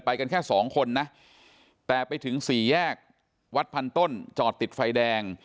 กันแค่สองคนนะแต่ไปถึงสี่แยกวัดพันต้นจอดติดไฟแดง